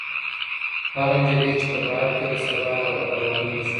هغه نجلۍ چې په بهر کې ده، سبا راروانېږي.